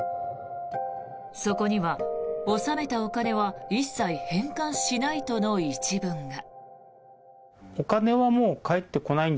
そこには、収めたお金は一切返還しないとの一文が。